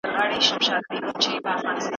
موږ باید د نړۍ خلکو ته پيغام ورسوو.